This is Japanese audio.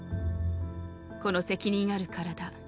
この責任ある体